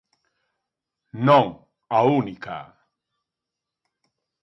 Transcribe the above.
Non a única.